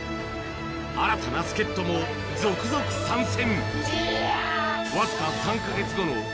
新たな助っとも続々参戦。